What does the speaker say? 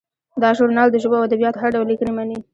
دا ژورنال د ژبو او ادبیاتو هر ډول لیکنې مني.